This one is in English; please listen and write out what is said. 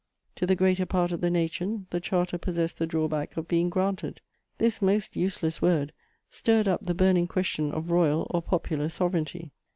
To the greater part of the nation, the Charter possessed the drawback of being "granted:" this most useless word stirred up the burning question of royal or popular sovereignty.